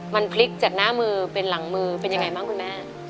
มันพลิกจากหน้ามือเป็นหลังมือเป็นยังไงบ้างคุณแม่